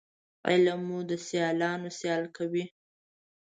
علم مو د سیالانو سیال کوي